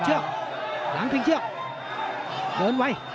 หลังพิงเชือกเดินไว้